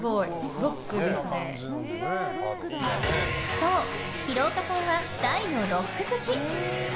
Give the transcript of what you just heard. そう、廣岡さんは大のロック好き！